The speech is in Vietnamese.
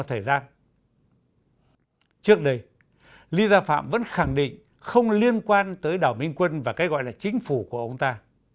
trước đây ly gia phạm vẫn khẳng định không liên quan tới đảo minh quân và cái gọi là chính phủ của ông ta